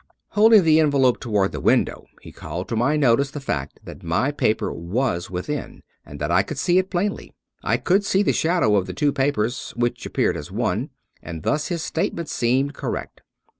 Holding the envelope toward the window, he called to my notice the fact that my paper was within, and that I could see it plainly. I could see the shadow of the two papers, which appeared as one, and thus his statement seemed correct.